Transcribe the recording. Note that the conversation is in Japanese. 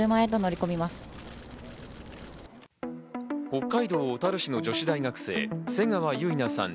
北海道小樽市の女子大学生・瀬川結菜さん